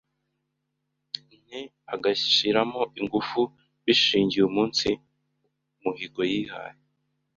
nke agashyiramo ingufu bishingiye umunsi muhigo yihaye.